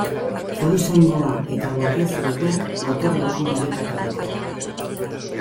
Foruzaingoa eta Guardia Zibilak gotorleku bilakaturikoa.